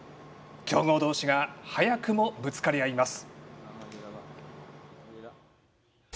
強豪同士が早くもぶつかり合います。